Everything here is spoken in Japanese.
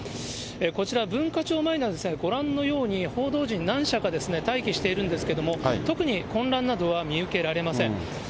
こちら、文化庁前なんですが、ご覧のように、報道陣、何社か待機しているんですけれども、特に混乱などは見受けられません。